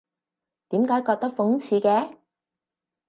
點解覺得諷刺嘅？